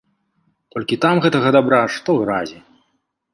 Толькі там гэтага дабра, што гразі.